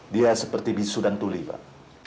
dia seperti bisu dan tuli pak